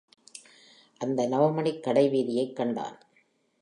அந்த நவமணிக் கடைவிதியைக் கண்டான்.